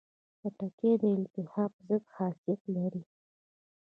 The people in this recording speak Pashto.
خټکی د التهاب ضد خاصیت لري.